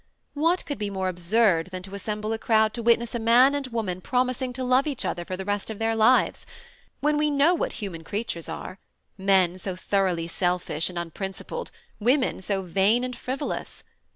What could be more absurd than to assemble a crowd to witness a man and woman promising to love each other for the rest of their lives, when we know what human creatures are, — men so thoroughly selfish and unprincipled, women so vain and frivolous?